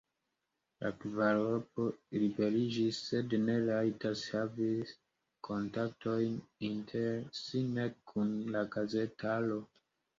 La kvaropo liberiĝis, sed ne rajtas havi kontaktojn inter si, nek kun la gazetaro.